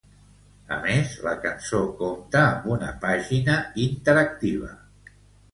A més, la cançó compta amb una pàgina interactiva.